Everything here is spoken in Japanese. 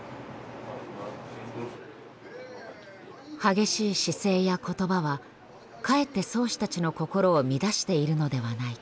「激しい姿勢や言葉はかえって漕手たちの心を乱しているのではないか」。